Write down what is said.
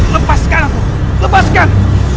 lepaskan aku lepaskan